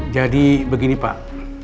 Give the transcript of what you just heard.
jadi begini pak